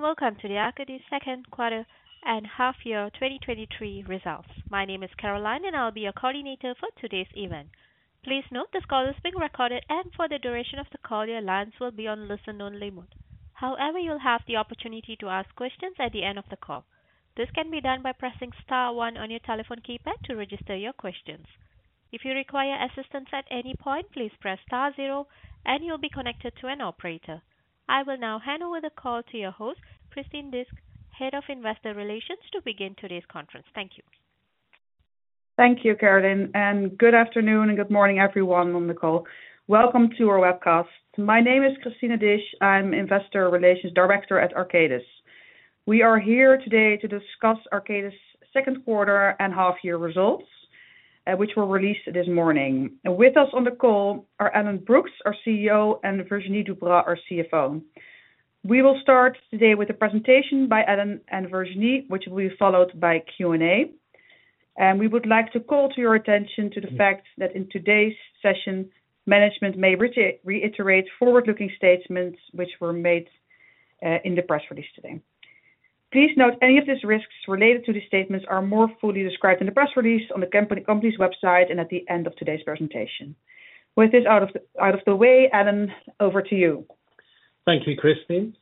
Good welcome to the Arcadis second quarter and half year 2023 results. My name is Caroline, and I'll be your coordinator for today's event. Please note, this call is being recorded, and for the duration of the call, your lines will be on listen-only mode. However, you'll have the opportunity to ask questions at the end of the call. This can be done by pressing star one on your telephone keypad to register your questions. If you require assistance at any point, please press star zero and you'll be connected to an operator. I will now hand over the call to your host, Christine Disch, Head of Investor Relations, to begin today's conference. Thank you. Thank you, Caroline. Good afternoon and good morning, everyone on the call. Welcome to our webcast. My name is Christine Disch. I'm Investor Relations Director at Arcadis. We are here today to discuss Arcadis' second quarter and half year results, which were released this morning. With us on the call are Alan Brookes, our CEO, and Virginie Duperat-Vergne, our CFO. We will start today with a presentation by Alan and Virginie, which will be followed by Q&A. We would like to call to your attention to the fact that in today's session, management may reiterate forward-looking statements which were made in the press release today. Please note, any of these risks related to these statements are more fully described in the press release on the company's website and at the end of today's presentation. With this out of the way, Alan, over to you. Thank you, Christine.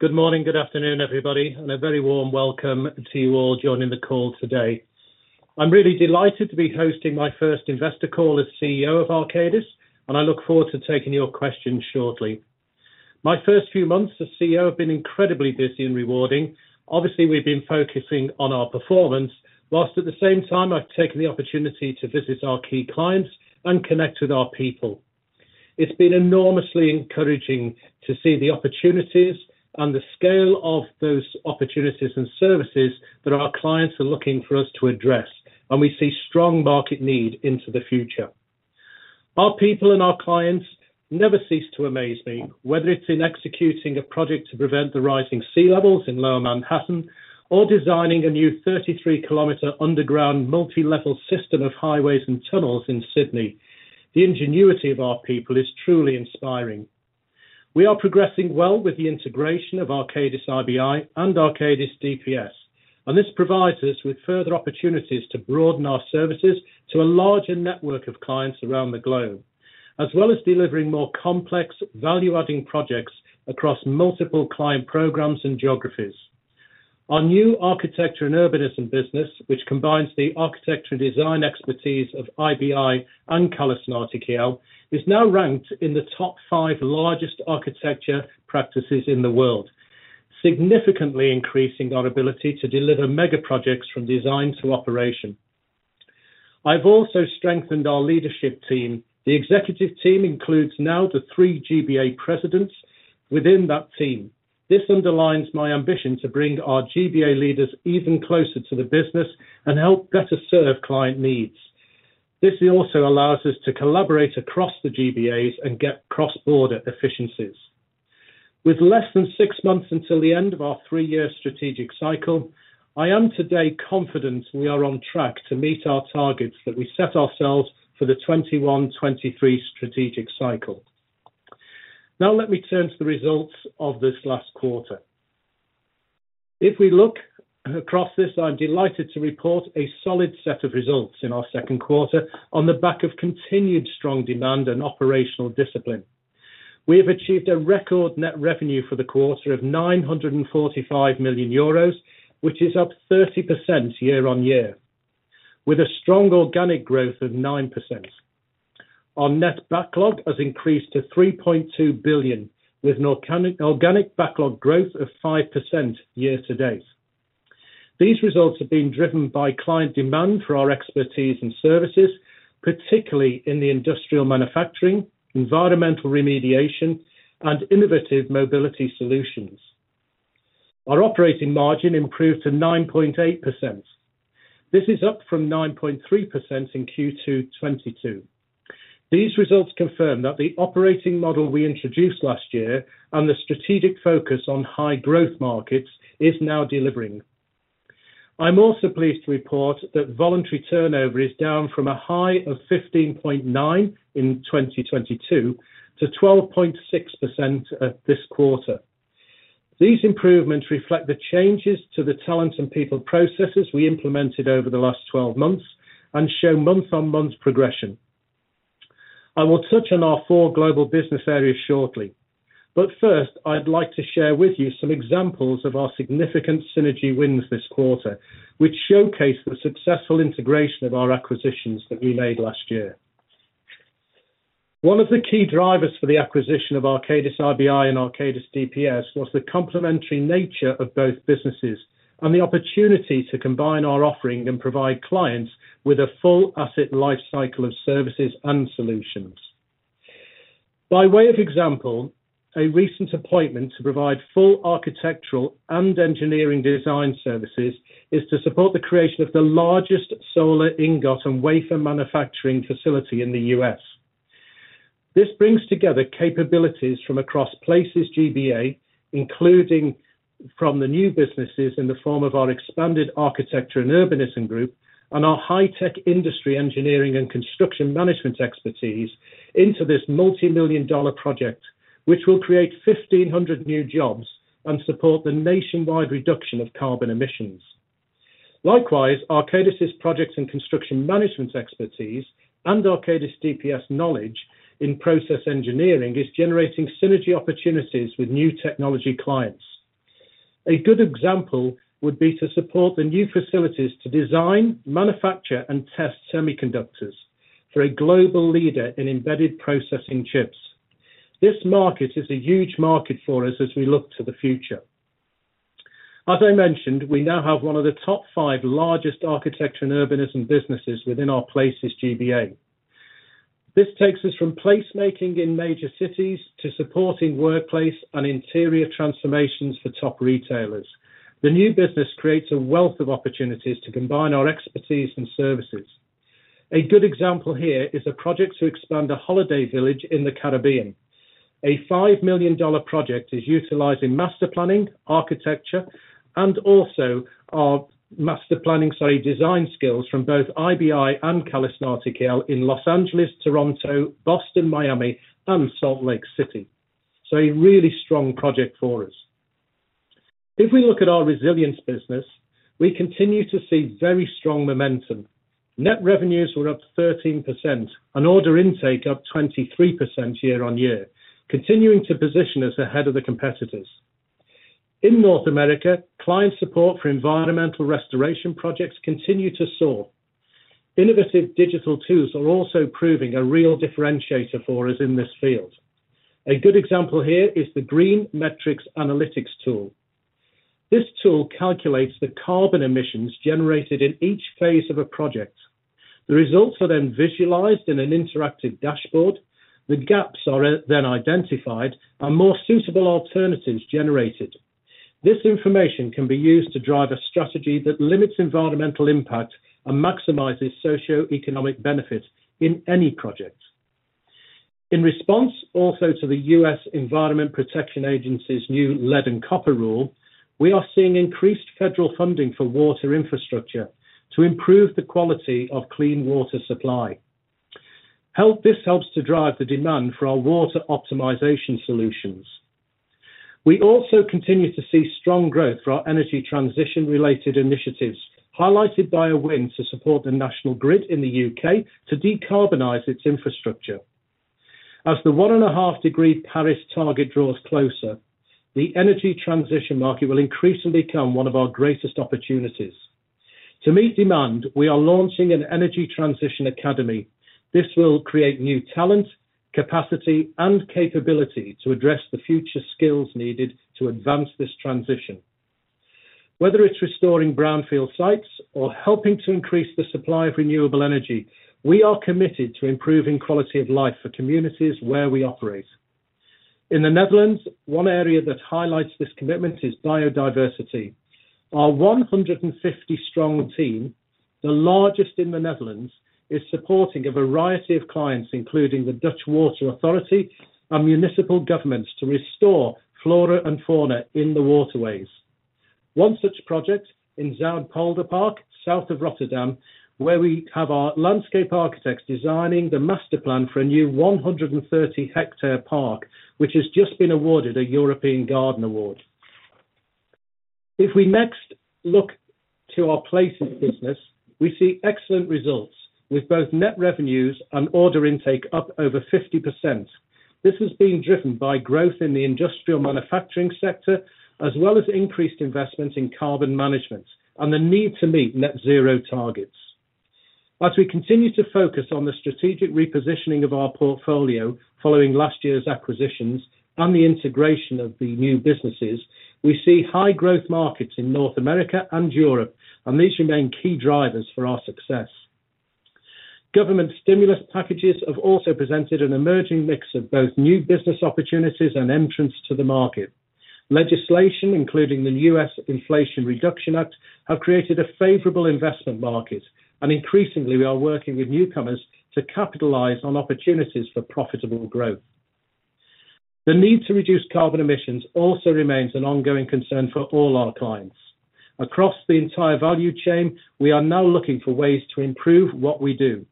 Good morning, good afternoon, everybody. A very warm welcome to you all joining the call today. I'm really delighted to be hosting my first investor call as CEO of Arcadis. I look forward to taking your questions shortly. My first few months as CEO have been incredibly busy and rewarding. Obviously, we've been focusing on our performance, while at the same time, I've taken the opportunity to visit our key clients and connect with our people. It's been enormously encouraging to see the opportunities and the scale of those opportunities and services that our clients are looking for us to address. We see strong market need into the future. Our people and our clients never cease to amaze me, whether it's in executing a project to prevent the rising sea levels in Lower Manhattan, or designing a new 33 km underground multi-level system of highways and tunnels in Sydney. The ingenuity of our people is truly inspiring. We are progressing well with the integration of Arcadis IBI and Arcadis DPS, and this provides us with further opportunities to broaden our services to a larger network of clients around the globe, as well as delivering more complex, value-adding projects across multiple client programs and geographies. Our new architecture and urbanism business, which combines the architecture and design expertise of IBI and CallisonRTKL, is now ranked in the top five largest architecture practices in the world, significantly increasing our ability to deliver mega projects from design to operation. I've also strengthened our leadership team. The executive team includes now the three GBA presidents within that team. This underlines my ambition to bring our GBA leaders even closer to the business and help better serve client needs. This also allows us to collaborate across the GBAs and get cross-border efficiencies. With less than six months until the end of our three-year strategic cycle, I am today confident we are on track to meet our targets that we set ourselves for the 2021, 2023 strategic cycle. Now, let me turn to the results of this last quarter. If we look across this, I'm delighted to report a solid set of results in our second quarter on the back of continued strong demand and operational discipline. We have achieved a record net revenue for the quarter of 945 million euros, which is up 30% year-on-year, with a strong organic growth of 9%. Our net backlog has increased to 3.2 billion, with an organic backlog growth of 5% year to date. These results have been driven by client demand for our expertise and services, particularly in the industrial manufacturing, environmental remediation, and innovative mobility solutions. Our operating margin improved to 9.8%. This is up from 9.3% in Q2 2022. These results confirm that the operating model we introduced last year and the strategic focus on high growth markets is now delivering. I'm also pleased to report that voluntary turnover is down from a high of 15.9 in 2022 to 12.6% at this quarter. These improvements reflect the changes to the talent and people processes we implemented over the last 12 months and show month-on-month progression. I will touch on our four Global Business Areas shortly, but first I'd like to share with you some examples of our significant synergy wins this quarter, which showcase the successful integration of our acquisitions that we made last year. One of the key drivers for the acquisition of Arcadis IBI and Arcadis DPS was the complementary nature of both businesses and the opportunity to combine our offering and provide clients with a full asset lifecycle of services and solutions. By way of example, a recent appointment to provide full architectural and engineering design services is to support the creation of the largest solar ingot and wafer manufacturing facility in the U.S. This brings together capabilities from across Places GBA, including from the new businesses in the form of our expanded architecture and urbanism group and our high-tech industry engineering and construction management expertise into this multimillion-dollar project, which will create 1,500 new jobs and support the nationwide reduction of carbon emissions. Likewise, Arcadis' projects and construction management expertise and Arcadis DPS knowledge in process engineering, is generating synergy opportunities with new technology clients. A good example would be to support the new facilities to design, manufacture, and test semiconductors for a global leader in embedded processing chips. This market is a huge market for us as we look to the future. As I mentioned, we now have one of the top 5 largest architecture and urbanism businesses within our Places GBA. This takes us from placemaking in major cities to supporting workplace and interior transformations for top retailers. The new business creates a wealth of opportunities to combine our expertise and services. A good example here is a project to expand a holiday village in the Caribbean. A $5 million project is utilizing master planning, architecture, and also our master planning, sorry, design skills from both IBI and CallisonRTKL in Los Angeles, Toronto, Boston, Miami, and Salt Lake City. A really strong project for us. If we look at our Resilience business, we continue to see very strong momentum. Net revenues were up 13% and order intake up 23% year-on-year, continuing to position us ahead of the competitors. In North America, client support for environmental restoration projects continue to soar. Innovative digital tools are also proving a real differentiator for us in this field. A good example here is the Green Metrics Analytics tool. This tool calculates the carbon emissions generated in each phase of a project. The results are then visualized in an interactive dashboard. The gaps are then identified and more suitable alternatives generated. This information can be used to drive a strategy that limits environmental impact and maximizes socioeconomic benefit in any project. In response also to the U.S. Environmental Protection Agency's new Lead and Copper Rule, we are seeing increased federal funding for water infrastructure to improve the quality of clean water supply. This helps to drive the demand for our water optimization solutions. We also continue to see strong growth for our energy transition-related initiatives, highlighted by a win to support the National Grid in the U.K. to decarbonize its infrastructure. As the 1.5 degree Paris target draws closer, the energy transition market will increasingly become one of our greatest opportunities. To meet demand, we are launching an Energy Transition Academy. This will create new talent, capacity, and capability to address the future skills needed to advance this transition. Whether it's restoring brownfield sites or helping to increase the supply of renewable energy, we are committed to improving quality of life for communities where we operate. In the Netherlands, one area that highlights this commitment is biodiversity. Our 150 strong team, the largest in the Netherlands, is supporting a variety of clients, including the Dutch Water Authorities and municipal governments, to restore flora and fauna in the waterways. One such project in Zuidpolderpark, south of Rotterdam, where we have our landscape architects designing the master plan for a new 130-hectare park, which has just been awarded a European Garden Award. If we next look to our Places business, we see excellent results, with both net revenues and order intake up over 50%. This is being driven by growth in the industrial manufacturing sector, as well as increased investment in carbon management and the need to meet net zero targets. As we continue to focus on the strategic repositioning of our portfolio following last year's acquisitions and the integration of the new businesses, we see high growth markets in North America and Europe, and these remain key drivers for our success. Government stimulus packages have also presented an emerging mix of both new business opportunities and entrants to the market. Legislation, including the U.S. Inflation Reduction Act, have created a favorable investment market, and increasingly, we are working with newcomers to capitalize on opportunities for profitable growth. The need to reduce carbon emissions also remains an ongoing concern for all our clients. Across the entire value chain, we are now looking for ways to improve what we do.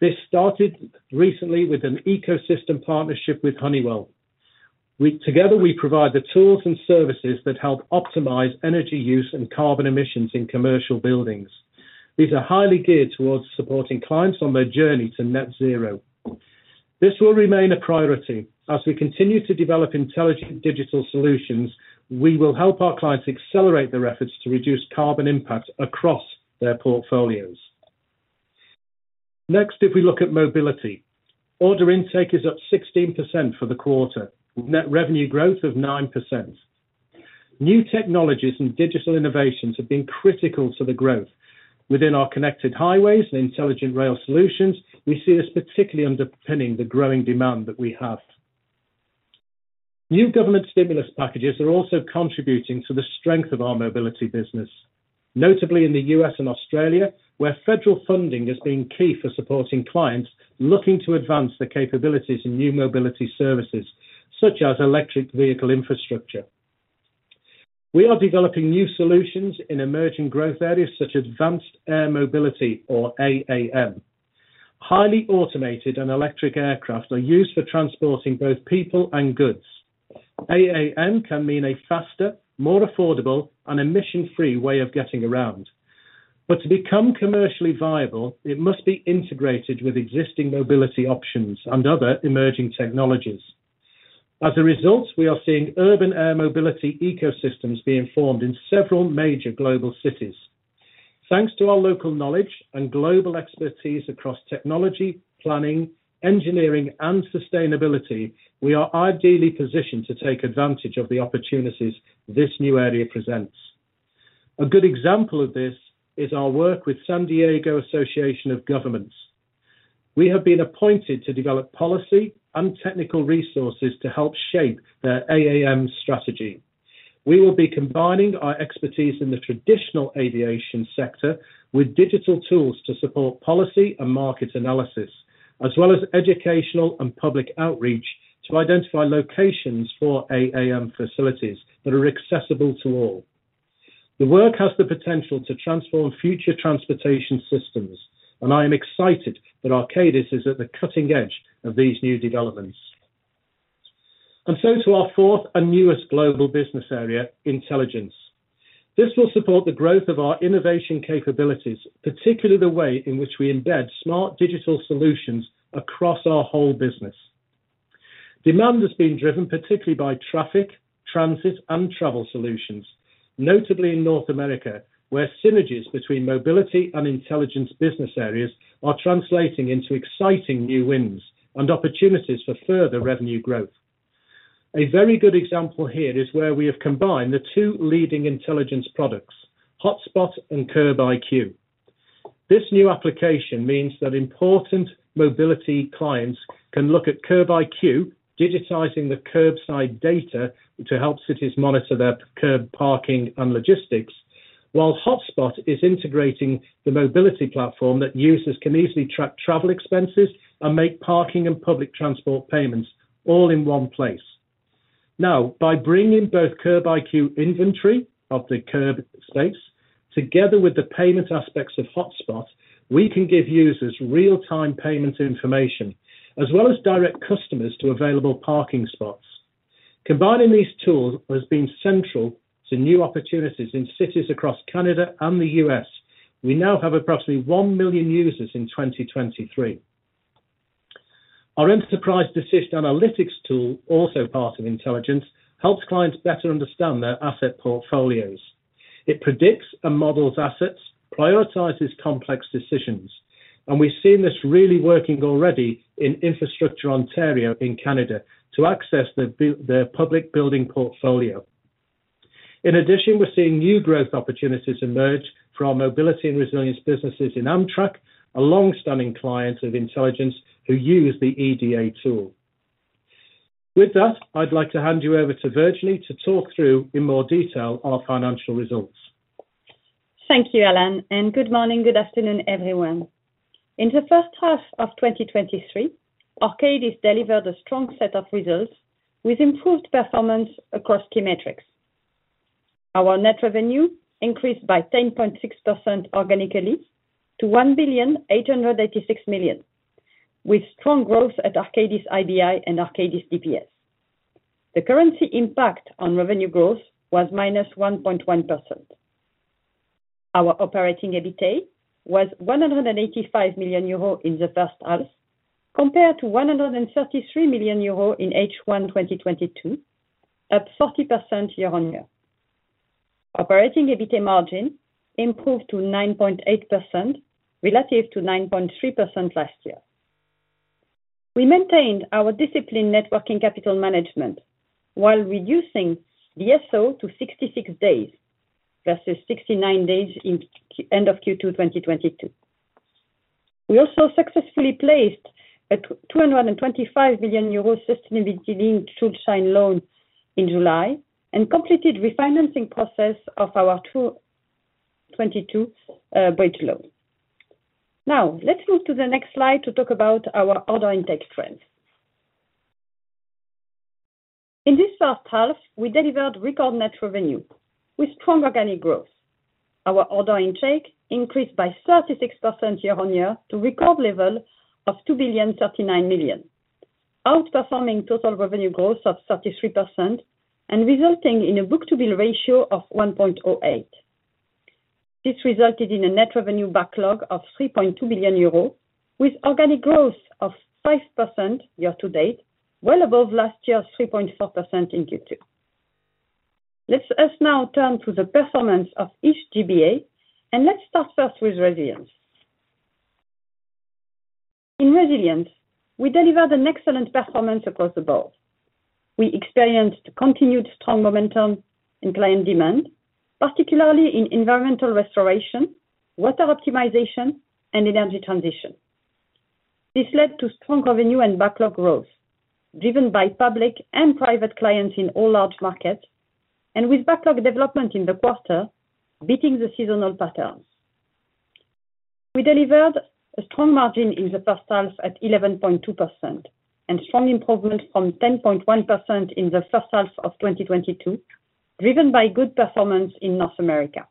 This started recently with an ecosystem partnership with Honeywell. Together, we provide the tools and services that help optimize energy use and carbon emissions in commercial buildings. These are highly geared towards supporting clients on their journey to net zero. This will remain a priority. As we continue to develop intelligent digital solutions, we will help our clients accelerate their efforts to reduce carbon impact across their portfolios. If we look at mobility, order intake is up 16% for the quarter, with net revenue growth of 9%. New technologies and digital innovations have been critical to the growth within our connected highways and intelligent rail solutions. We see this particularly underpinning the growing demand that we have. New government stimulus packages are also contributing to the strength of our Mobility business, notably in the U.S. and Australia, where federal funding has been key for supporting clients looking to advance their capabilities in new mobility services, such as electric vehicle infrastructure. We are developing new solutions in emerging growth areas such as advanced air mobility, or AAM. Highly automated and electric aircraft are used for transporting both people and goods. AAM can mean a faster, more affordable, and emission-free way of getting around. To become commercially viable, it must be integrated with existing mobility options and other emerging technologies. As a result, we are seeing urban air mobility ecosystems being formed in several major global cities. Thanks to our local knowledge and global expertise across technology, planning, engineering, and sustainability, we are ideally positioned to take advantage of the opportunities this new area presents. A good example of this is our work with San Diego Association of Governments. We have been appointed to develop policy and technical resources to help shape their AAM strategy. We will be combining our expertise in the traditional aviation sector with digital tools to support policy and market analysis, as well as educational and public outreach, to identify locations for AAM facilities that are accessible to all. The work has the potential to transform future transportation systems, and I am excited that Arcadis is at the cutting edge of these new developments. To our fourth and newest Global Business Area, Intelligence. This will support the growth of our innovation capabilities, particularly the way in which we embed smart digital solutions across our whole business. Demand has been driven, particularly by traffic, transit, and travel solutions, notably in North America, where synergies between Mobility and Intelligence business areas are translating into exciting new wins and opportunities for further revenue growth. A very good example here is where we have combined the two leading intelligence products, HotSpot and CurbIQ. This new application means that important mobility clients can look at CurbIQ, digitizing the curbside data to help cities monitor their curb parking and logistics, while HotSpot is integrating the mobility platform that users can easily track travel expenses and make parking and public transport payments all in one place. By bringing both CurbIQ inventory of the curb space, together with the payment aspects of HotSpot, we can give users real-time payment information, as well as direct customers to available parking spots. Combining these tools has been central to new opportunities in cities across Canada and the U.S. We now have approximately one million users in 2023. Our Enterprise Decision Analytics tool, also part of Intelligence, helps clients better understand their asset portfolios. It predicts and models assets, prioritizes complex decisions, and we've seen this really working already in Infrastructure Ontario in Canada, to access their public building portfolio. In addition, we're seeing new growth opportunities emerge for our Mobility and Resilience businesses in Amtrak, a long-standing client of Intelligence, who use the EDA tool. With that, I'd like to hand you over to Virginie to talk through in more detail our financial results. Thank you, Alan. Good morning, good afternoon, everyone. In the first half of 2023, Arcadis delivered a strong set of results with improved performance across key metrics. Our net revenue increased by 10.6% organically to 1,886 million, with strong growth at Arcadis IBI and Arcadis DPS. The currency impact on revenue growth was -1.1%. Our operating EBITA was 185 million euro in the first half, compared to 133 million euro in H1 2022, up 40% year-on-year. Operating EBITA margin improved to 9.8% relative to 9.3% last year. We maintained our disciplined networking capital management while reducing the DSO to 66 days versus 69 days in end of Q2 2022. We also successfully placed a 225 million euro sustainability-linked Schuldschein loan in July and completed refinancing process of our 2022 bridge loan. Let's move to the next slide to talk about our order intake trends. In this first half, we delivered record net revenue with strong organic growth. Our order intake increased by 36% year-on-year to record level of 2.039 billion, outperforming total revenue growth of 33% and resulting in a book-to-bill ratio of 1.08. This resulted in a net revenue backlog of 3.2 billion euros, with organic growth of 5% year-to-date, well above last year's 3.4% in Q2. Let us now turn to the performance of each GBA, let's start first with Resilience. In Resilience, we delivered an excellent performance across the board. We experienced continued strong momentum in client demand, particularly in environmental restoration, water optimization, and Energy Transition. This led to strong revenue and backlog growth, driven by public and private clients in all large markets, and with backlog development in the quarter, beating the seasonal patterns. We delivered a strong margin in the first half at 11.2%, and strong improvement from 10.1% in the first half of 2022, driven by good performance in North America.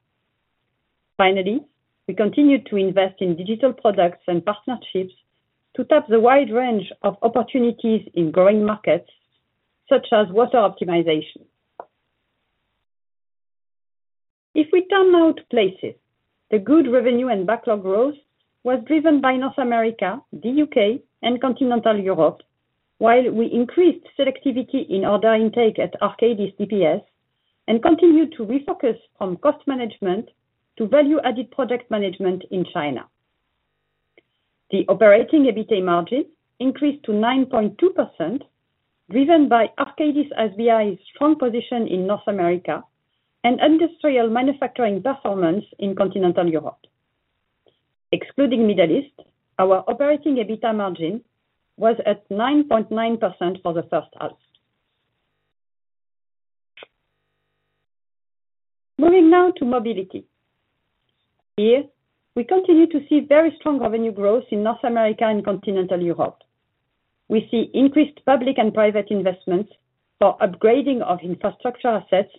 Finally, we continued to invest in digital products and partnerships to tap the wide range of opportunities in growing markets, such as water optimization. If we turn now to Places, the good revenue and backlog growth was driven by North America, the U.K., and continental Europe, while we increased selectivity in order intake at Arcadis DPS, and continued to refocus on cost management to value-added project management in China. The operating EBITA margin increased to 9.2%, driven by Arcadis IBI's strong position in North America and industrial manufacturing performance in continental Europe. Excluding Middle East, our operating EBITA margin was at 9.9% for the first half. Moving now to Mobility. Here, we continue to see very strong revenue growth in North America and continental Europe. We see increased public and private investments for upgrading of infrastructure assets,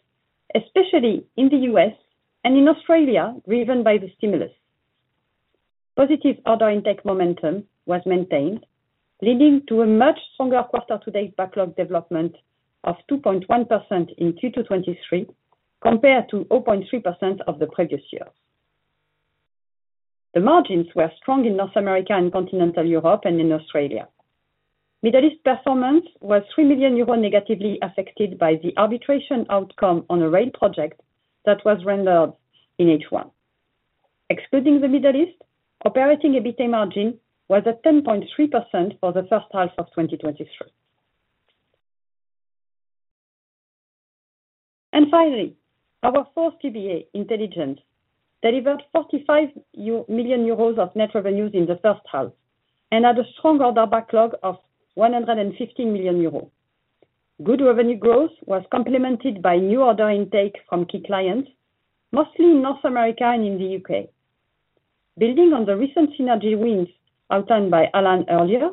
especially in the U.S. and in Australia, driven by the stimulus. Positive order intake momentum was maintained, leading to a much stronger quarter-to-date backlog development of 2.1% in Q2 '23, compared to 0.3% of the previous year. The margins were strong in North America and continental Europe and in Australia. Middle East performance was 3 million euros negatively affected by the arbitration outcome on a rail project that was rendered in H1. Excluding the Middle East, operating EBITA margin was at 10.3% for the first half of 2023. Finally, our fourth GBA, Intelligence, delivered 45 million euros of net revenues in the first half, and had a strong order backlog of 150 million euros. Good revenue growth was complemented by new order intake from key clients, mostly in North America and in the U.K. Building on the recent synergy wins outlined by Alan earlier,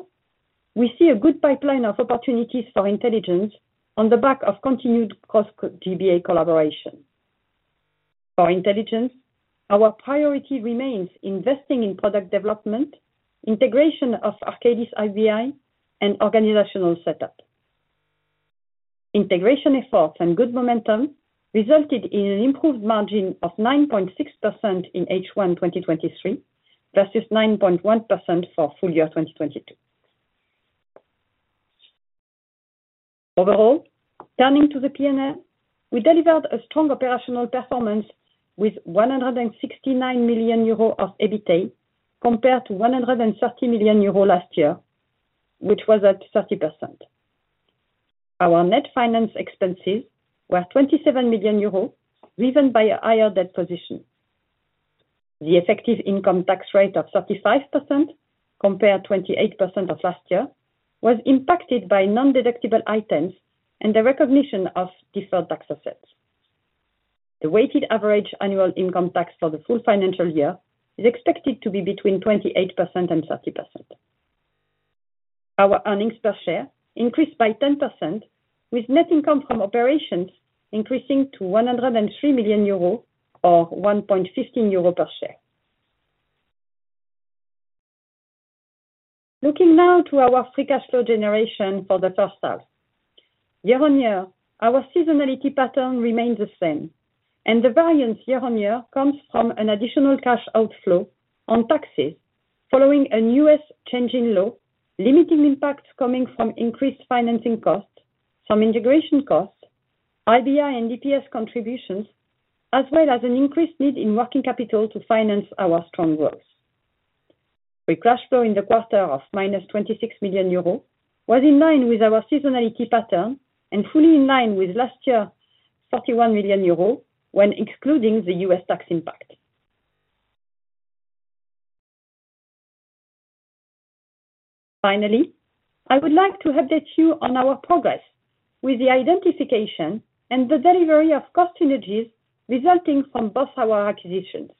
we see a good pipeline of opportunities for Intelligence on the back of continued cost GBA collaboration. For Intelligence, our priority remains investing in product development, integration of Arcadis IBI, and organizational setup. Integration efforts and good momentum resulted in an improved margin of 9.6% in H1 2023, versus 9.1% for full year 2022. Overall, turning to the P&L, we delivered a strong operational performance with 169 million euro of EBITA, compared to 130 million euro last year, which was at 30%. Our net finance expenses were 27 million euros, driven by a higher debt position. The effective income tax rate of 35%, compared to 28% of last year, was impacted by non-deductible items and the recognition of deferred tax assets. The weighted average annual income tax for the full financial year is expected to be between 28% and 30%. Our earnings per share increased by 10%, with net income from operations increasing to 103 million euros, or 1.15 euro per share. Looking now to our free cash flow generation for the first half. Year-over-year, our seasonality pattern remains the same. The variance year-over-year comes from an additional cash outflow on taxes following a U.S. change in law, limiting impacts coming from increased financing costs, some integration costs, IBI and DPS contributions, as well as an increased need in working capital to finance our strong growth. Free cash flow in the quarter of minus 26 million euro was in line with our seasonality pattern and fully in line with last year, 41 million euro, when excluding the U.S. tax impact. Finally, I would like to update you on our progress with the identification and the delivery of cost synergies resulting from both our acquisitions.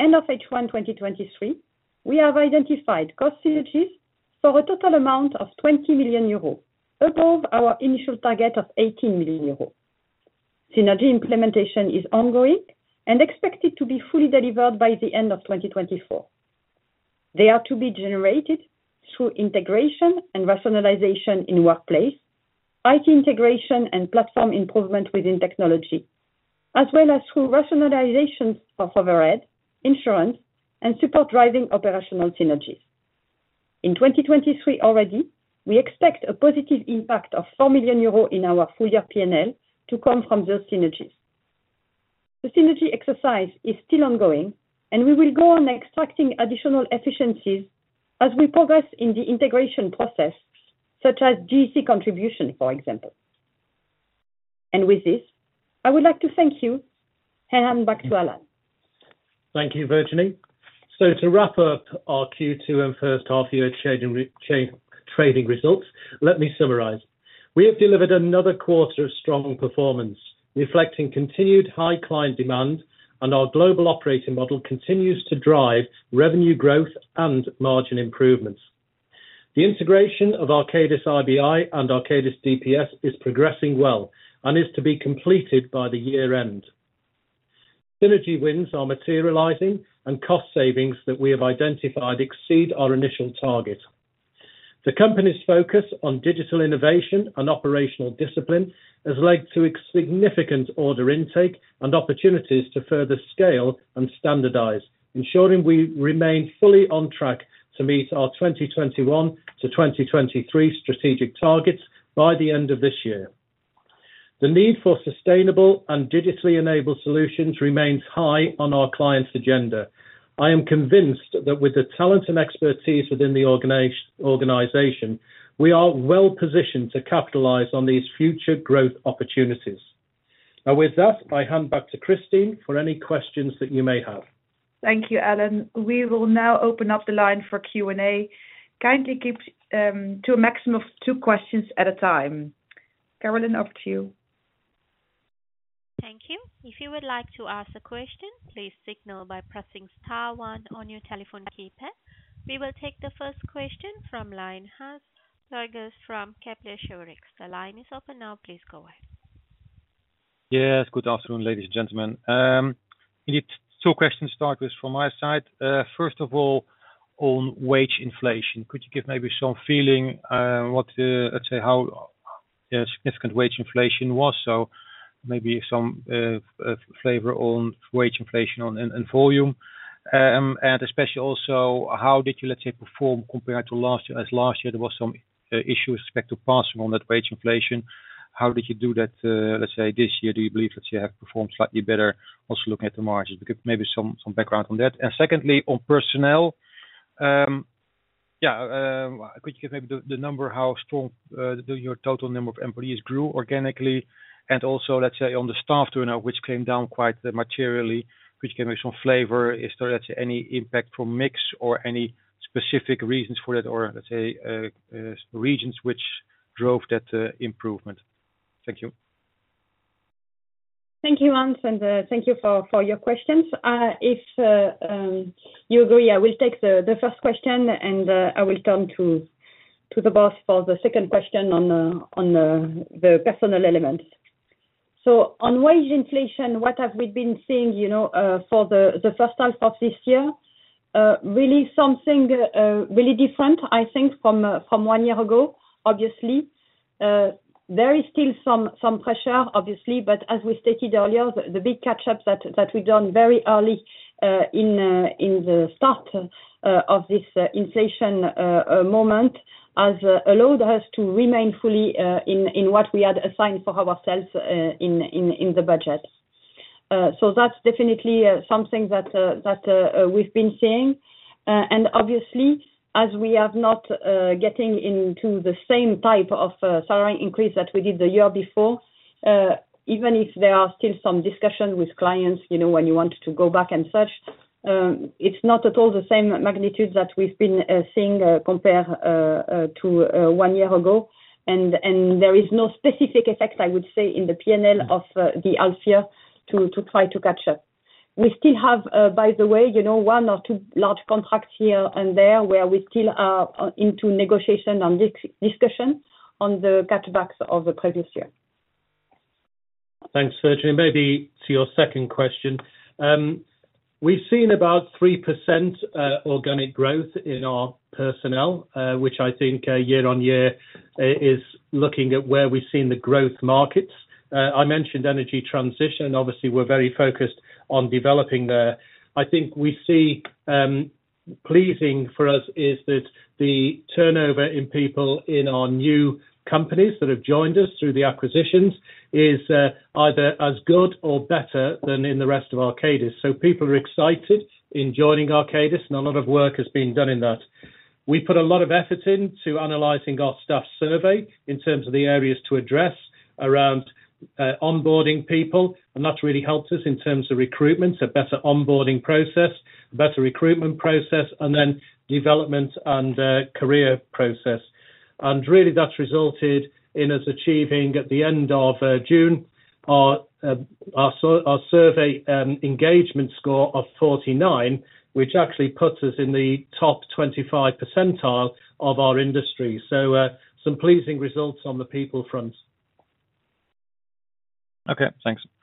End of H1 2023, we have identified cost synergies for a total amount of 20 million euros, above our initial target of 18 million euros. Synergy implementation is ongoing and expected to be fully delivered by the end of 2024. They are to be generated through integration and rationalization in workplace, IT integration and platform improvement within technology, as well as through rationalization of overhead, insurance, and support driving operational synergies. In 2023 already, we expect a positive impact of 4 million euros in our full year P&L to come from those synergies. The synergy exercise is still ongoing, and we will go on extracting additional efficiencies as we progress in the integration process, such as GEC contribution, for example. With this, I would like to thank you and hand back to Alan. Thank you, Virginie. To wrap up our Q2 and first half-year trading results, let me summarize. We have delivered another quarter of strong performance, reflecting continued high client demand. Our global operating model continues to drive revenue growth and margin improvements. The integration of Arcadis IBI and Arcadis DPS is progressing well and is to be completed by the year-end. Synergy wins are materializing. Cost savings that we have identified exceed our initial target. The company's focus on digital innovation and operational discipline has led to significant order intake and opportunities to further scale and standardize, ensuring we remain fully on track to meet our 2021-2023 strategic targets by the end of this year. The need for sustainable and digitally enabled solutions remains high on our clients' agenda. I am convinced that with the talent and expertise within the organization, we are well positioned to capitalize on these future growth opportunities. Now with that, I hand back to Christine for any questions that you may have. Thank you, Alan. We will now open up the line for Q&A. Kindly keep to a maximum of two questions at a time. Caroline, over to you. Thank you. If you would like to ask a question, please signal by pressing star one on your telephone keypad. We will take the first question from line, Hans Pluijgers from Kepler Cheuvreux. The line is open now. Please go ahead. Yes, good afternoon, ladies and gentlemen. Need two questions to start with from my side. First of all, on wage inflation, could you give maybe some feeling, what, let's say, how significant wage inflation was? Maybe some flavor on wage inflation on, and volume. Especially also, how did you, let's say, perform compared to last year? As last year there was some issues with respect to passing on that wage inflation. How did you do that, let's say, this year? Do you believe that you have performed slightly better also looking at the margins? Maybe some background on that. Secondly, on personnel, could you give maybe the number, how strong your total number of employees grew organically, and also, let's say, on the staff turnover, which came down quite materially, which gave me some flavor. Is there any impact from mix or any specific reasons for that or, let's say, regions which drove that improvement? Thank you. Thank you, Hans, and thank you for your questions. If you agree, I will take the first question, and I will come to the boss for the second question on the personal elements. On wage inflation, what have we been seeing, you know, for the first half of this year? Really something really different, I think, from one year ago, obviously. There is still some pressure, obviously, but as we stated earlier, the big catch-up that we've done very early in the start of this inflation moment has allowed us to remain fully in what we had assigned for ourselves in the budget. That's definitely something that we've been seeing. Obviously, as we have not getting into the same type of salary increase that we did the year before, even if there are still some discussions with clients, you know, when you want to go back and such, it's not at all the same magnitude that we've been seeing compared to one year ago. There is no specific effect, I would say, in the PNL of the Alpha to try to catch up. We still have, by the way, you know, one or two large contracts here and there, where we still are into negotiation and discussion on the cutbacks of the previous year. Thanks, Virginie. Maybe to your second question. We've seen about 3% organic growth in our personnel, which I think year-on-year is looking at where we've seen the growth markets. I mentioned energy transition, and obviously, we're very focused on developing there. I think we see pleasing for us, is that the turnover in people in our new companies that have joined us through the acquisitions is either as good or better than in the rest of Arcadis. People are excited in joining Arcadis, and a lot of work has been done in that. We put a lot of effort into analyzing our staff survey in terms of the areas to address around onboarding people, and that's really helped us in terms of recruitment. A better onboarding process, a better recruitment process, and then development and career process. Really, that's resulted in us achieving, at the end of June, our survey, engagement score of 49, which actually puts us in the top 25 percentile of our industry. Some pleasing results on the people front. Okay, thanks. Thank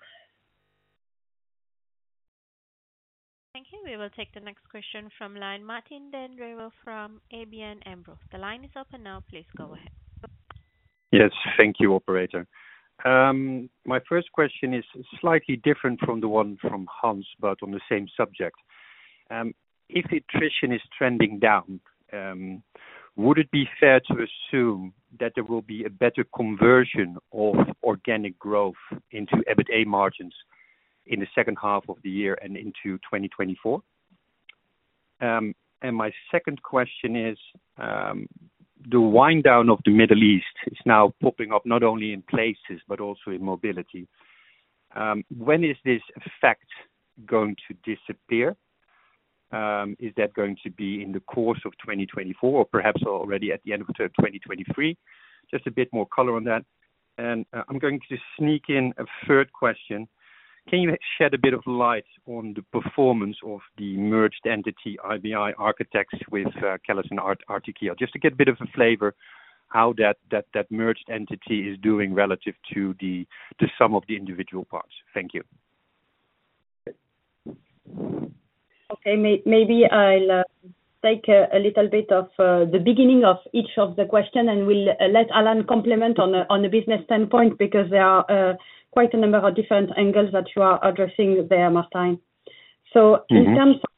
you. We will take the next question from line. Martijn den Drijver from ABN AMRO. The line is open now. Please go ahead. Yes. Thank you, operator. My first question is slightly different from the one from Hans, but on the same subject. If attrition is trending down, would it be fair to assume that there will be a better conversion of organic growth into EBITA margins in the second half of the year and into 2024? My second question is, the wind down of the Middle East is now popping up not only in Places, but also in Mobility. When is this effect going to disappear? Is that going to be in the course of 2024 or perhaps already at the end of 2023? Just a bit more color on that. I'm going to sneak in a third question: Can you shed a bit of light on the performance of the merged entity, IBI Architects, with CallisonRTKL, just to get a bit of a flavor, how that merged entity is doing relative to the sum of the individual parts? Thank you. Maybe I'll take a little bit of the beginning of each of the question, and we'll let Alan complement on a business standpoint, because there are quite a number of different angles that you are addressing there, Martijn. Mm-hmm... in terms of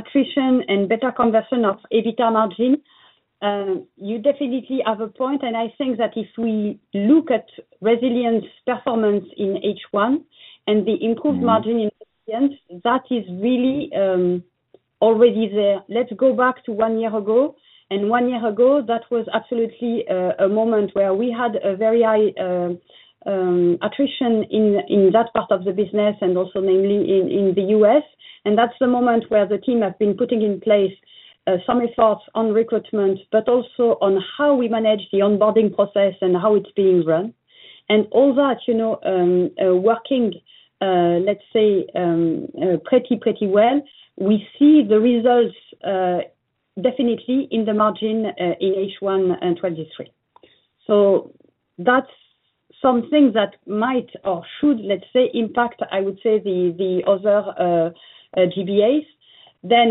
attrition and better conversion of EBITDA margin, you definitely have a point, and I think that if we look at Resilience performance in H1 and the improved Mm-hmm margin in Resilience, that is really already there. Let's go back to one year ago, and one year ago, that was absolutely a moment where we had a very high attrition in that part of the business and also mainly in the U.S. That's the moment where the team have been putting in place some efforts on recruitment, but also on how we manage the onboarding process and how it's being run. All that, you know, working, let's say, pretty well, we see the results definitely in the margin in H1 2023. That's something that might or should, let's say, impact, I would say, the other GBAs.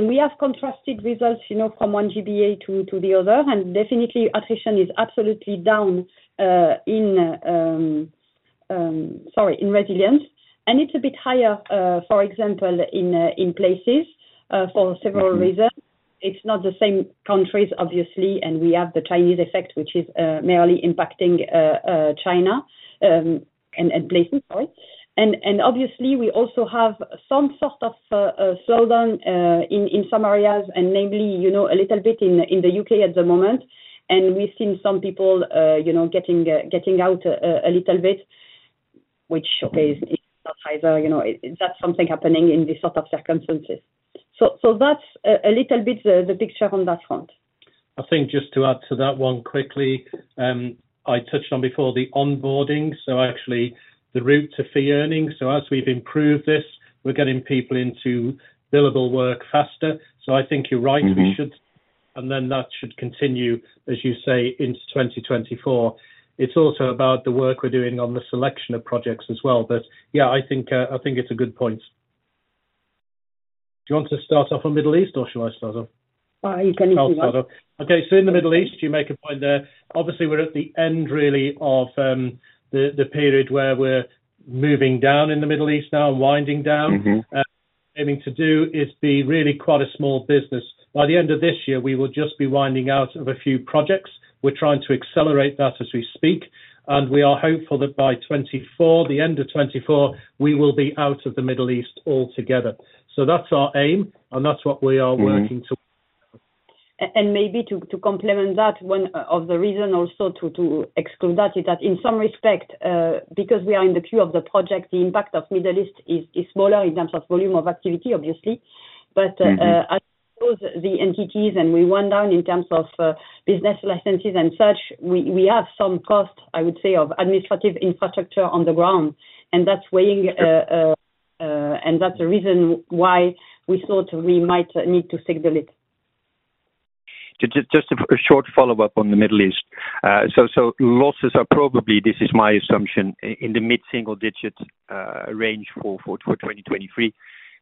We have contrasted results, you know, from one GBA to the other. Definitely, attrition is absolutely down in Resilience. It's a bit higher, for example, in Places, for several reasons. Mm-hmm. It's not the same countries, obviously, and we have the Chinese effect, which is mainly impacting China and Places. Right. Obviously, we also have some sort of slowdown in some areas, namely, you know, a little bit in the UK at the moment. We've seen some people, you know, getting getting out a little bit, which is in Pfizer, you know, is that something happening in this sort of circumstances. So that's a little bit the picture on that front. I think just to add to that one quickly, I touched on before the onboarding, actually the route to fee earnings. As we've improved this, we're getting people into billable work faster. I think you're right. Mm-hmm. We should, and then that should continue, as you say, into 2024. It's also about the work we're doing on the selection of projects as well. Yeah, I think, I think it's a good point. Do you want to start off on Middle East, or shall I start off? You can start. I'll start off. In the Middle East, you make a point there. Obviously, we're at the end really of the period where we're moving down in the Middle East now and winding down. Mm-hmm. Aiming to do is be really quite a small business. By the end of this year, we will just be winding out of a few projects. We're trying to accelerate that as we speak. We are hopeful that by 2024, the end of 2024, we will be out of the Middle East altogether. That's our aim, and that's what we are working to. Mm-hmm. Maybe to complement that, one of the reason also to exclude that, is that in some respect, because we are in the queue of the project, the impact of Middle East is smaller in terms of volume of activity, obviously. Mm-hmm. As the entities, and we wind down in terms of business licenses and such, we have some costs, I would say, of administrative infrastructure on the ground, and that's weighing, and that's the reason why we thought we might need to seek the lead. Just a short follow-up on the Middle East. Losses are probably, this is my assumption, in the mid-single digits range for 2023.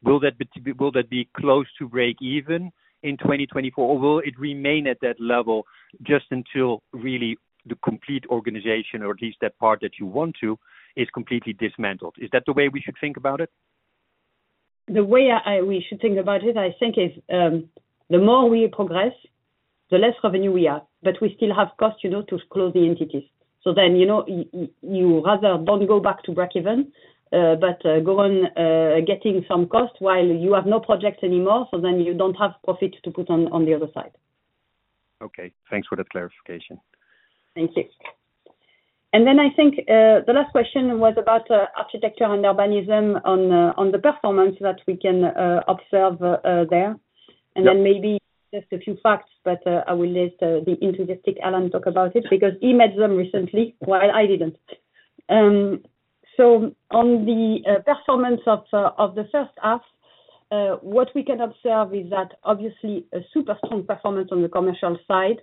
Will that be close to break even in 2024, or will it remain at that level just until really the complete organization, or at least that part that you want to, is completely dismantled? Is that the way we should think about it? The way we should think about it, I think is, the more we progress, the less revenue we have, but we still have costs, you know, to close the entities. You know, you rather don't go back to break even, but go on getting some costs while you have no projects anymore, so then you don't have profit to put on the other side. Okay, thanks for the clarification. Thank you. I think the last question was about architecture and urbanism on on the performance that we can observe there. Yep. Maybe just a few facts, but I will let the inquisitive Alan talk about it, because he met them recently, while I didn't. On the performance of the first half, what we can observe is that obviously a super strong performance on the commercial side.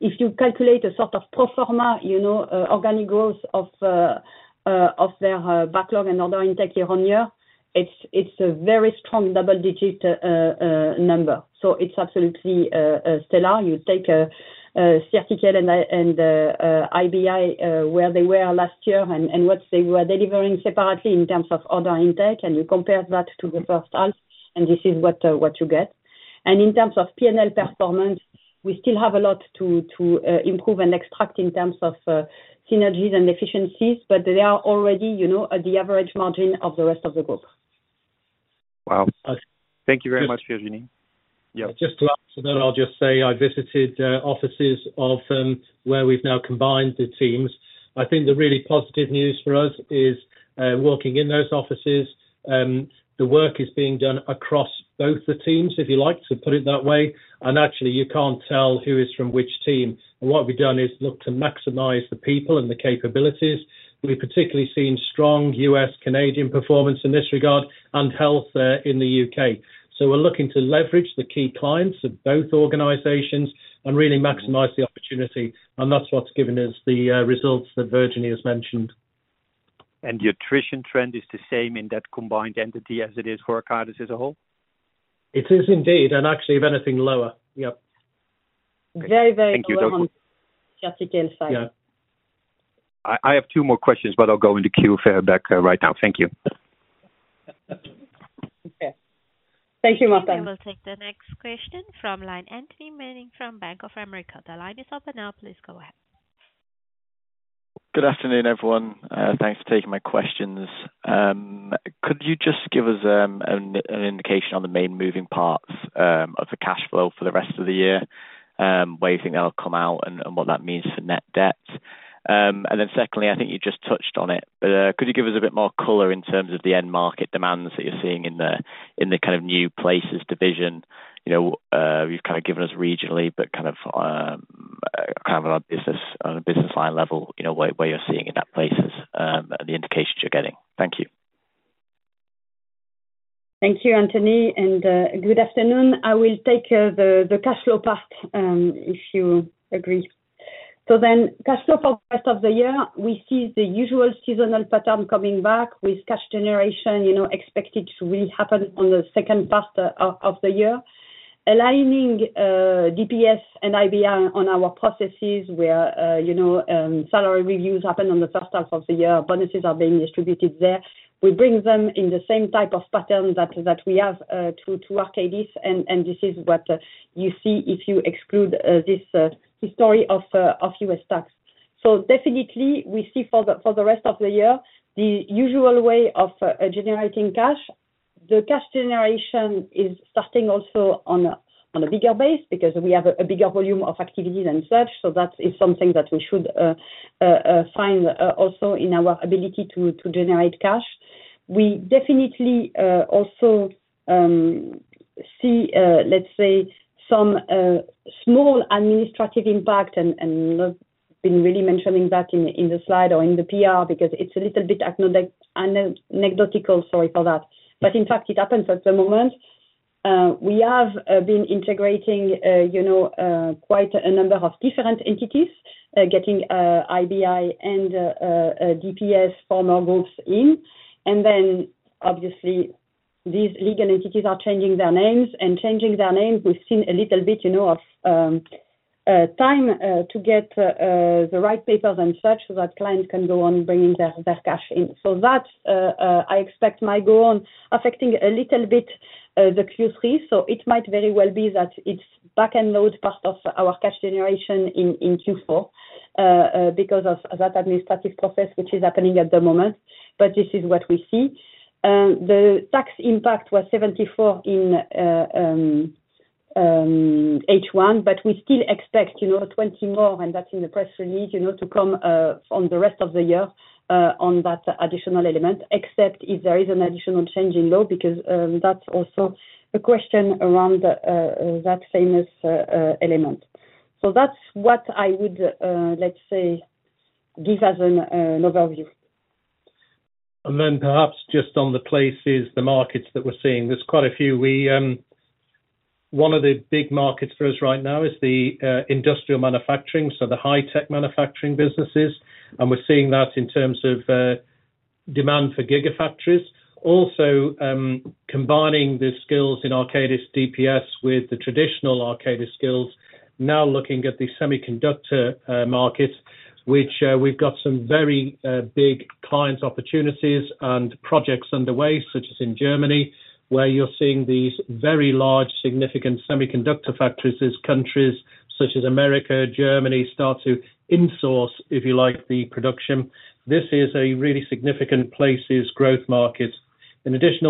If you calculate a sort of pro forma, you know, organic growth of their backlog and other intake year-on-year, it's a very strong double-digit number. It's absolutely stellar. You take CRT and IBI, where they were last year and what they were delivering separately in terms of order intake, and you compare that to the first half, and this is what you get. In terms of PNL performance, we still have a lot to improve and extract in terms of synergies and efficiencies, but they are already, you know, at the average margin of the rest of the group. Wow! Thank you very much, Virginie. Just to add to that, I'll just say I visited offices of where we've now combined the teams. I think the really positive news for us is working in those offices, the work is being done across both the teams, if you like, to put it that way, and actually, you can't tell who is from which team. What we've done is look to maximize the people and the capabilities. We've particularly seen strong U.S., Canadian performance in this regard and health in the U.K. We're looking to leverage the key clients of both organizations and really maximize the opportunity, and that's what's given us the results that Virginie has mentioned. The attrition trend is the same in that combined entity as it is for Arcadis as a whole? It is indeed, and actually, if anything, lower. Yep. Very, very low. Thank you. Just again, fine. Yeah. I have two more questions, but I'll go in the queue back right now. Thank you. Okay. Thank you, Martin. I will take the next question from line, Anthony Manning from Bank of America. The line is open now. Please go ahead. Good afternoon, everyone. Thanks for taking my questions. Could you just give us an indication on the main moving parts of the cash flow for the rest of the year, where you think that'll come out and what that means for net debt? Then secondly, I think you just touched on it, but could you give us a bit more color in terms of the end market demands that you're seeing in the kind of new Places division? You know, you've kind of given us regionally, but kind of on a business line level, you know, where you're seeing in that Places, and the indications you're getting. Thank you. Thank you, Anthony, and good afternoon. I will take the cash flow part if you agree. Cash flow for rest of the year, we see the usual seasonal pattern coming back with cash generation, you know, expected to really happen on the second part of the year. Aligning DPS and IBI on our processes where, you know, salary reviews happen on the first half of the year, bonuses are being distributed there. We bring them in the same type of pattern that we have to Arcadis, and this is what you see if you exclude this history of U.S. tax. Definitely, we see for the rest of the year, the usual way of generating cash. The cash generation is starting also on a bigger base because we have a bigger volume of activities and such. That is something that we should find also in our ability to generate cash. We definitely also see let's say some small administrative impact, and not been really mentioning that in the slide or in the PR, because it's a little bit anecdotical. Sorry for that. In fact, it happens at the moment. We have been integrating, you know, quite a number of different entities, getting IBI and DPS former groups in. Obviously, these legal entities are changing their names, we've seen a little bit, you know, of time to get the right papers and such so that clients can go on bringing their cash in. That I expect, might go on affecting a little bit the Q3. It might very well be that it's back-end load part of our cash generation in Q4 because of that administrative process, which is happening at the moment. This is what we see. The tax impact was 74 in H1, but we still expect, you know, 20 more, and that's in the press release, you know, to come on the rest of the year on that additional element, except if there is an additional change in law, because that's also a question around that famous element. That's what I would, let's say, give as an overview. Perhaps just on the Places, the markets that we're seeing, there's quite a few. One of the big markets for us right now is the industrial manufacturing, so the high-tech manufacturing businesses, and we're seeing that in terms of demand for gigafactories. Combining the skills in Arcadis DPS with the traditional Arcadis skills, now looking at the semiconductor market, which we've got some very big client opportunities and projects underway, such as in Germany, where you're seeing these very large, significant semiconductor factories as countries such as America, Germany, start to insource, if you like, the production. This is a really significant Places growth market. In addition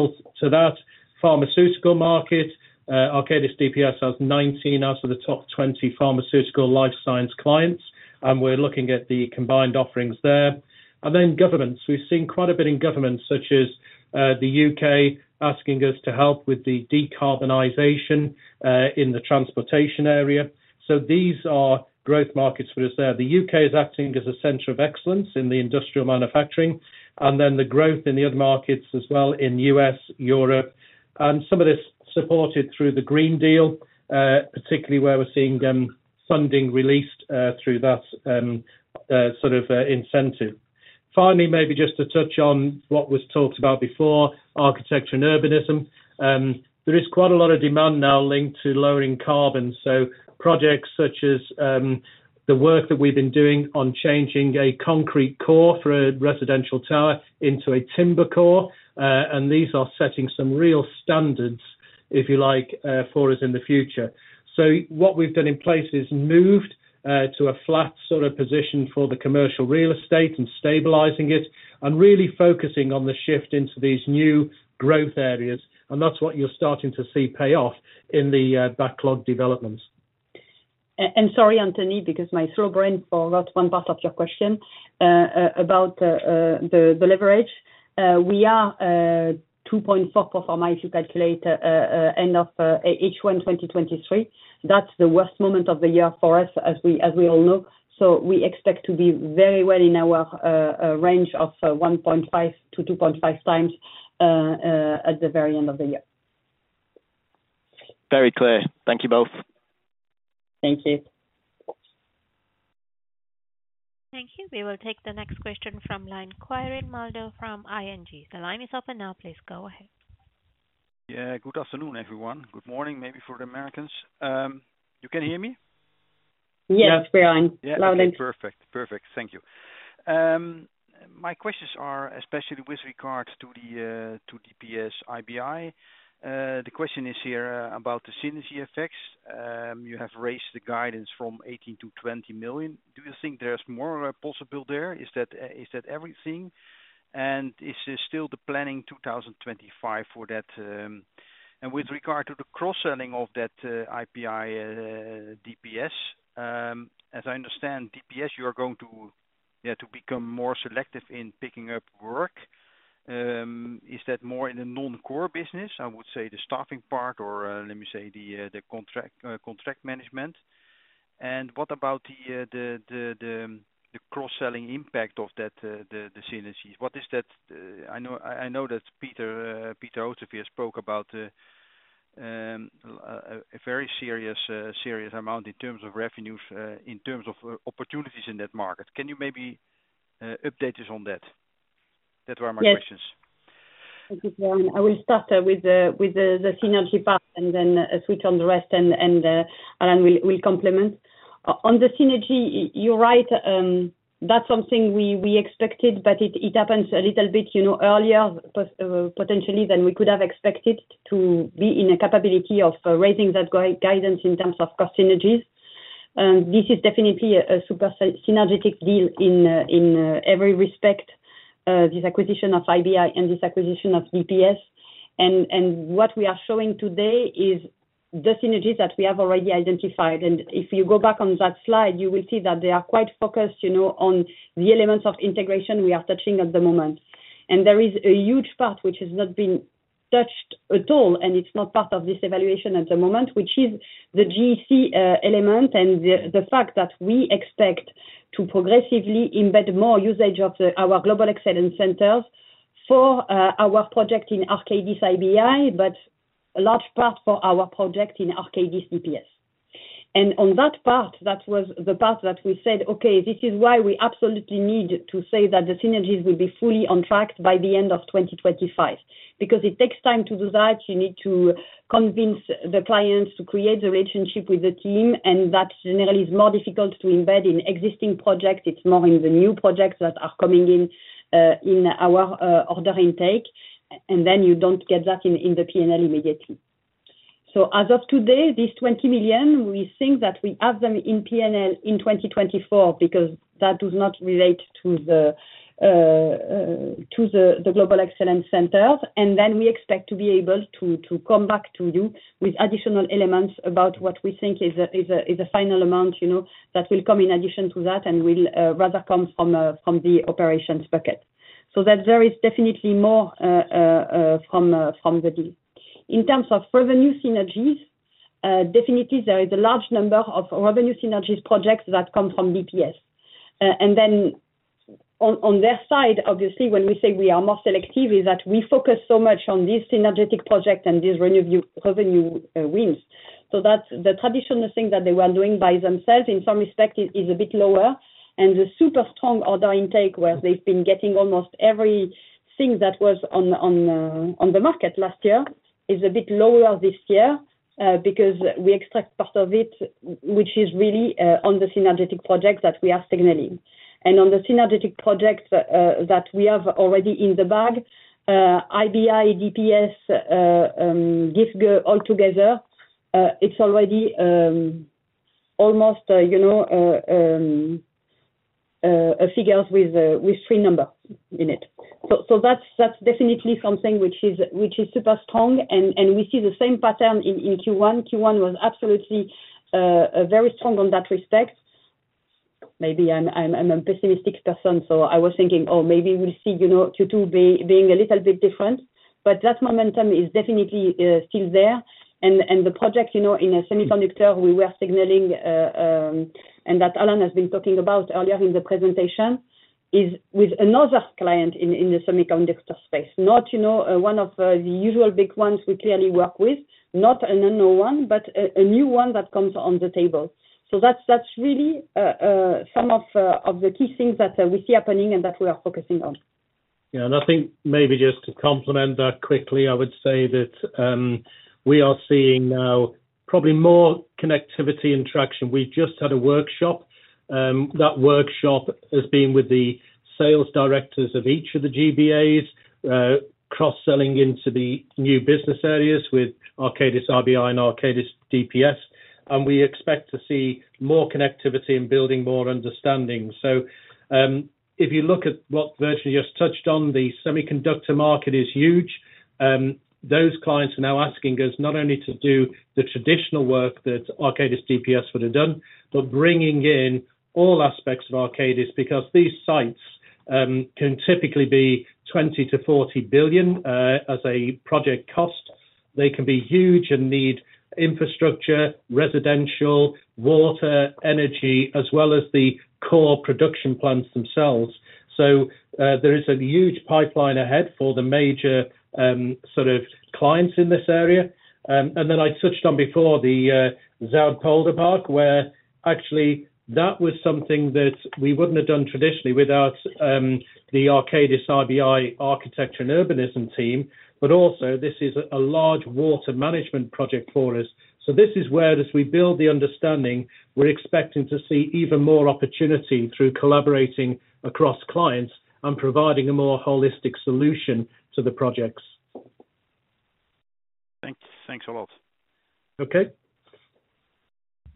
to that, pharmaceutical market, Arcadis DPS has 19 out of the top 20 pharmaceutical life science clients, and we're looking at the combined offerings there. Governments, we've seen quite a bit in governments such as, the U.K. asking us to help with the decarbonization in the transportation area. These are growth markets for us there. The U.K. is acting as a center of excellence in the industrial manufacturing, and then the growth in the other markets as well in U.S., Europe. Some of this supported through the Green Deal, particularly where we're seeing funding released through that sort of incentive. Finally, maybe just to touch on what was talked about before, architecture and urbanism. There is quite a lot of demand now linked to lowering carbon, so projects such as the work that we've been doing on changing a concrete core for a residential tower into a timber core, and these are setting some real standards, if you like, for us in the future. What we've done in Places moved to a flat sort of position for the commercial real estate and stabilizing it, and really focusing on the shift into these new growth areas, and that's what you're starting to see pay off in the backlog developments. Sorry, Anthony, because my throat brain forgot one part of your question about the leverage. We are 2.4 performance, if you calculate end of H1 2023. That's the worst moment of the year for us as we all look. We expect to be very well in our range of 1.5x-2.5x at the very end of the year. Very clear. Thank you both. Thank you. Thank you. We will take the next question from line, Quirijn Mulder from ING. The line is open now. Please go ahead. Yeah, good afternoon, everyone. Good morning, maybe for the Americans. You can hear me? Yes, we're fine. Loud and- Yeah. Perfect. Perfect. Thank you. My questions are, especially with regards to the to DPS IBI. The question is here about the synergy effects. You have raised the guidance from 18 million-20 million. Do you think there's more possible there? Is that everything? Is it still the planning 2025 for that? With regard to the cross-selling of that, IBI, DPS, as I understand, DPS, you are going to, yeah, to become more selective in picking up work. Is that more in the non-core business? I would say the staffing part, or, let me say the contract management. What about the cross-selling impact of that, the synergies? What is that? I know, I know that Peter Oosterveer spoke about a very serious amount in terms of revenues, in terms of opportunities in that market. Can you maybe update us on that? That were my questions. Yes. Thank you, Quirijn. I will start with the synergy part and then switch on the rest, and Alan will complement. On the synergy, you're right. That's something we expected, but it happens a little bit, you know, earlier, potentially than we could have expected to be in a capability of raising that guidance in terms of cost synergies. This is definitely a super synergistic deal in every respect, this acquisition of IBI and this acquisition of DPS. What we are showing today is the synergies that we have already identified. If you go back on that slide, you will see that they are quite focused, you know, on the elements of integration we are touching at the moment. There is a huge part which has not been touched at all, and it's not part of this evaluation at the moment, which is the GEC element and the fact that we expect to progressively embed more usage of our Global Excellence Centers for our project in Arcadis IBI, but a large part for our project in Arcadis DPS. On that part, that was the part that we said: Okay, this is why we absolutely need to say that the synergies will be fully on track by the end of 2025. It takes time to do that. You need to convince the clients to create the relationship with the team, and that generally is more difficult to embed in existing projects. It's more in the new projects that are coming in our order intake, you don't get that in the PNL immediately. As of today, this 20 million, we think that we have them in PNL in 2024 because that does not relate to the Global Excellence Center. We expect to be able to come back to you with additional elements about what we think is a final amount, you know, that will come in addition to that and will rather come from the operations bucket. There is definitely more from the deal. In terms of revenue synergies, definitely there is a large number of revenue synergies projects that come from BPS. Then on their side, obviously, when we say we are more selective, is that we focus so much on this synergetic project and these revenue wins. That's the traditional thing that they were doing by themselves, in some respect, is a bit lower. The super strong order intake, where they've been getting almost everything that was on the market last year, is a bit lower this year, because we extract part of it, which is really on the synergetic projects that we are signaling. On the synergetic projects that we have already in the bag, IBI, DPS, this go all together, it's already almost, you know, a figures with three number in it. That's definitely something which is super strong. We see the same pattern in Q1. Q1 was absolutely very strong on that respect. Maybe I'm a pessimistic person, so I was thinking, "Oh, maybe we'll see, you know, Q2 being a little bit different," but that momentum is definitely still there. The project, you know, in a semiconductor, we were signaling, and that Alan has been talking about earlier in the presentation, is with another client in the semiconductor space. Not, you know, one of the usual big ones we clearly work with, not an unknown one, but a new one that comes on the table. That's really some of the key things that we see happening and that we are focusing on. Yeah, I think maybe just to complement that quickly, I would say that we are seeing now probably more connectivity and traction. We just had a workshop. That workshop has been with the sales directors of each of the GBAs, cross-selling into the new business areas with Arcadis IBI and Arcadis DPS, we expect to see more connectivity and building more understanding. If you look at what Virginie just touched on, the semiconductor market is huge. Those clients are now asking us not only to do the traditional work that Arcadis DPS would have done, but bringing in all aspects of Arcadis, because these sites can typically be 20 billion-40 billion as a project cost. They can be huge and need infrastructure, residential, water, energy, as well as the core production plants themselves. There is a huge pipeline ahead for the major sort of clients in this area. I touched on before the Zuidpolderpark, where actually that was something that we wouldn't have done traditionally without the Arcadis IBI architecture and urbanism team, but also this is a large water management project for us. This is where as we build the understanding, we're expecting to see even more opportunity through collaborating across clients and providing a more holistic solution to the projects. Thanks. Thanks a lot. Okay.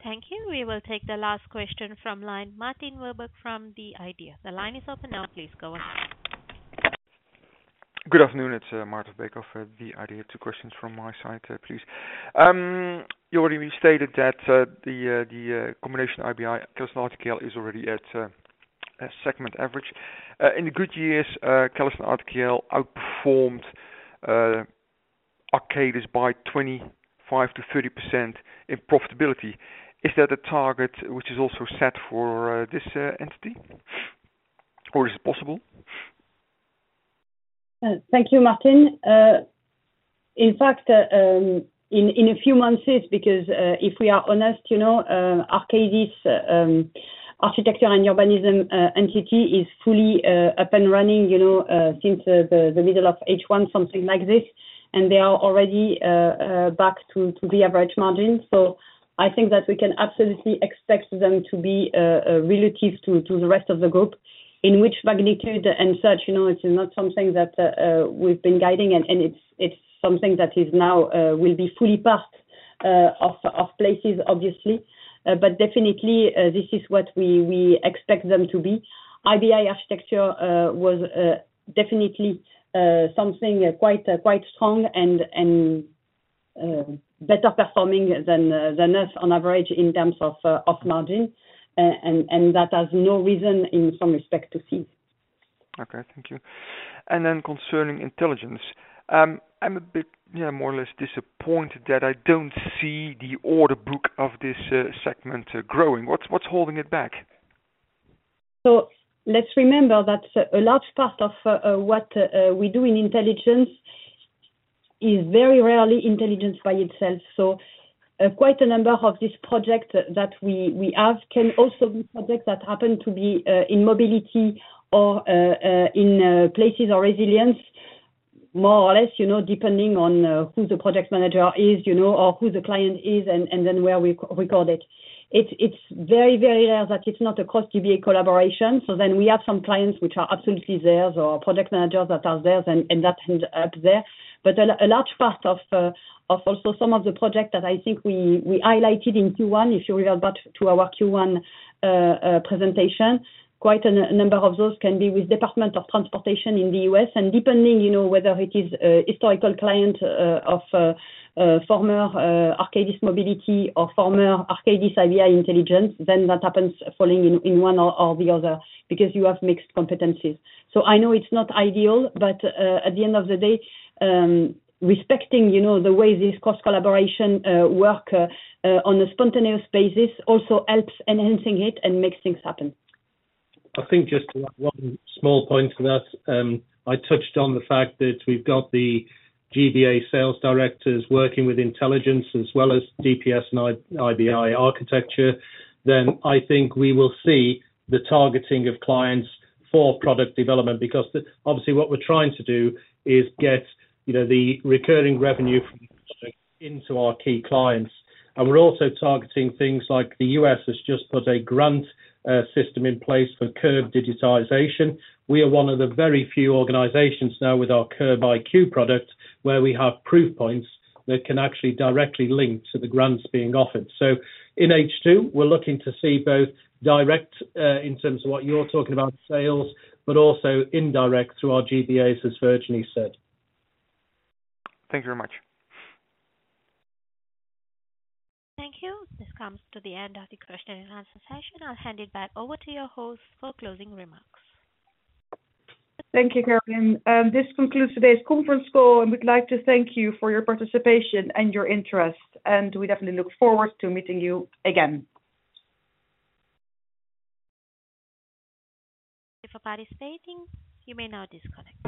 Thank you. We will take the last question from line, Maarten Verbeek from The Idea. The line is open now, please go on. Good afternoon, Maarten Verbeek, The Idea. Two questions from my side, please. You already stated that the combination IBI, CallisonRTKL is already at a segment average. In the good years, CallisonRTKL outperformed Arcadis by 25%-30% in profitability. Is that a target which is also set for this entity, or is it possible? Thank you, Maarten. In fact, in a few months, it's because, if we are honest, you know, Arcadis, architecture and urbanism entity is fully up and running, you know, since the middle of H1, something like this, and they are already back to the average margin. I think that we can absolutely expect them to be relative to the rest of the group, in which magnitude and such, you know, it's not something that we've been guiding, and it's something that is now will be fully part of Places, obviously. Definitely, this is what we expect them to be. IBI Architecture, was, definitely, something, quite strong and, better performing than us on average in terms of margin. That has no reason in some respect to cease. Okay, thank you. Concerning Intelligence, I'm a bit, yeah, more or less disappointed that I don't see the order book of this segment growing. What's holding it back? Let's remember that a large part of what we do in Intelligence is very rarely Intelligence by itself. Quite a number of this project that we have can also be projects that happen to be in Mobility or in Places or Resilience, more or less, you know, depending on who the project manager is, you know, or who the client is, and then where we record it. It's very rare that it's not a cross GBA collaboration. Then we have some clients which are absolutely theirs, or project managers that are theirs, and that ends up there. A large part of also some of the project that I think we highlighted in Q1, if you go back to our Q1 presentation, quite a number of those can be with Department of Transportation in the U.S. Depending, you know, whether it is a historical client of former Arcadis Mobility or former Arcadis IBI Intelligence, then that happens falling in one or the other, because you have mixed competencies. I know it's not ideal, but at the end of the day, respecting, you know, the way this cross collaboration work on a spontaneous basis also helps enhancing it and makes things happen. I think just to add one small point to that, I touched on the fact that we've got the GBA sales directors working with Intelligence as well as DPS and IBI Architecture. I think we will see the targeting of clients for product development, because obviously, what we're trying to do is get, you know, the recurring revenue from into our key clients. We're also targeting things like the U.S. has just put a grant system in place for curb digitization. We are one of the very few organizations now with our CurbIQ product, where we have proof points that can actually directly link to the grants being offered. In H2, we're looking to see both direct, in terms of what you're talking about, sales, but also indirect through our GBAs, as Virginie said. Thank you very much. Thank you. This comes to the end of the question and answer session. I'll hand it back over to your host for closing remarks. Thank you, Caroline. This concludes today's conference call, and we'd like to thank you for your participation and your interest, and we definitely look forward to meeting you again. Thank you for participating, you may now disconnect.